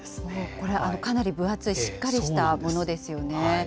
これ、かなり分厚い、しっかりしたものですよね。